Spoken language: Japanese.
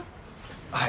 はい。